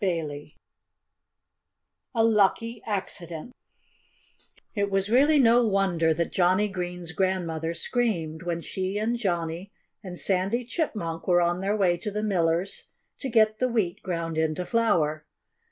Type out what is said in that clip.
XIV A LUCKY ACCIDENT It was really no wonder that Johnnie Green's grandmother screamed, when she and Johnnie and Sandy Chipmunk were on their way to the miller's to get the wheat ground into flour.